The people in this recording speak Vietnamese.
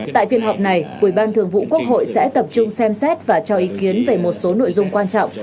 tại phiên họp này ủy ban thường vụ quốc hội sẽ tập trung xem xét và cho ý kiến về một số nội dung quan trọng